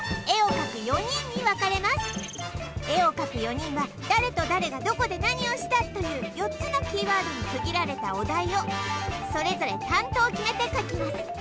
絵を描く４人は誰と誰がどこで何をしたという４つのキーワードに区切られたお題をそれぞれ担当を決めて描きます